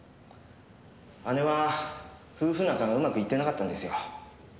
姉は夫婦仲がうまくいってなかったんですよ。